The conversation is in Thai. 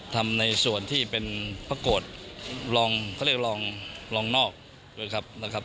ในส่วนที่เป็นพระโกรธลองเขาเรียกลองลองนอกด้วยครับนะครับ